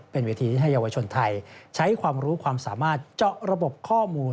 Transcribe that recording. เป็นเวทีที่ให้เยาวชนไทยใช้ความรู้ความสามารถเจาะระบบข้อมูล